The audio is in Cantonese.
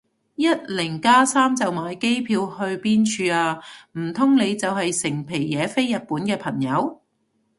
一零加三就買機票去邊處啊？唔通你就係成皮嘢飛日本嘅朋友